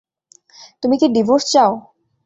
তুমি কি ডিভোর্স চাও?